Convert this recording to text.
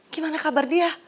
gimana kabar dia